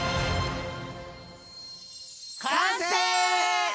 完成！